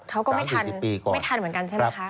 เขาก็ไม่ทันเหมือนกันใช่ไหมคะ